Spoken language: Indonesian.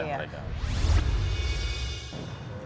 dan dikembangkan di wilayah mereka